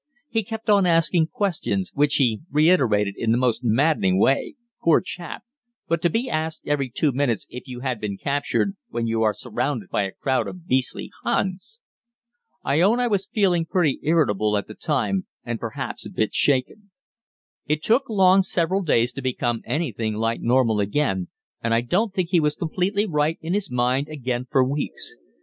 He kept on asking questions, which he reiterated in the most maddening way poor chap but to be asked every two minutes if you had been captured, when you are surrounded by a crowd of beastly Huns...! I own I was feeling pretty irritable at the time, and perhaps a bit shaken. It took Long several days to become anything like normal again, and I don't think he was completely right in his mind again for weeks.